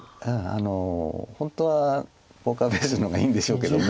本当はポーカーフェースの方がいいんでしょうけども。